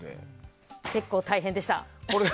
結構、大変でした。